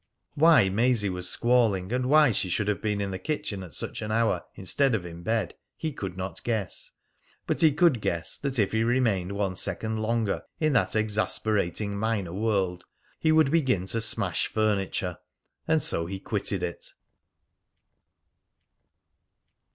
Why Maisie was squalling, and why she should have been in the kitchen at such an hour instead of in bed, he could not guess; but he could guess that if he remained one second longer in that exasperating minor world he would begin to smash furniture, and so he quitted it.